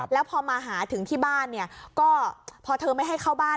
แล้วพอมาหาถึงที่บ้านเนี่ยก็พอเธอไม่ให้เข้าบ้าน